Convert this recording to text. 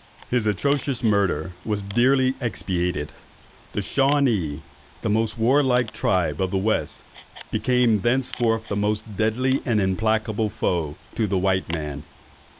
His atrocious murder was dearly expiated. The Shawanees, the most warlike tribe of the West, became thenceforward the most deadly and implacable foes to the white man.